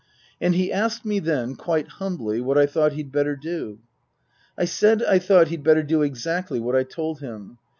And he asked me then, quite humbly, what I thought he'd better do. I said I thought he'd better do exactly what I told him.